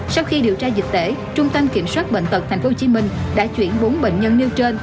sau khi điều tra dịch tễ trung tâm kiểm soát bệnh tật tp hcm đã chuyển bốn bệnh nhân nêu trên